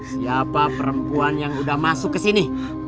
siapa perempuan yang udah masuk kesini